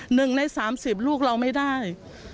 หนึ่งใน๓๐ลูกเราไม่ได้